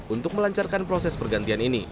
untuk melancarkan proses pergantian ini